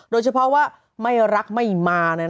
โดยเฉพาะว่าไม่รักไม่มา